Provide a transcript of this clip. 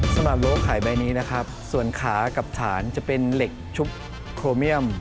โรงขายใบนี้นะครับส่วนขากับฐานจะเป็นเหล็กชุบโคเมียม